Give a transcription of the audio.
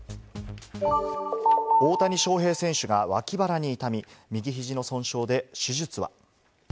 大谷翔平選手が脇腹に痛み、右肘の損傷で手術は。